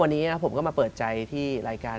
วันนี้ผมก็มาเปิดใจที่รายการ